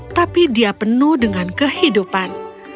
tapi dia penuh dengan kehidupan